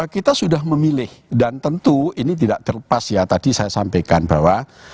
kita sudah memilih dan tentu ini tidak terlepas ya tadi saya sampaikan bahwa